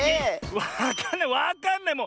わかんないわかんないもう。